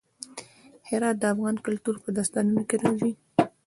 هرات د افغان کلتور په داستانونو کې راځي.